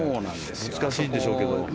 難しいんでしょうけど。